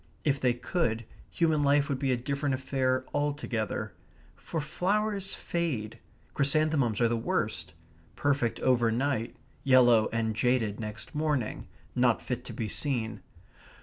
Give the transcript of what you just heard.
If they could, human life would be a different affair altogether. For flowers fade; chrysanthemums are the worst; perfect over night; yellow and jaded next morning not fit to be seen.